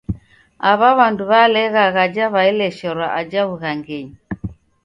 Aw'a w'andu w'alegha ghaja w'aelesherwa aja w'ughangenyi.